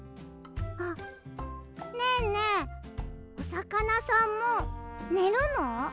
あっねえねえおさかなさんもねるの？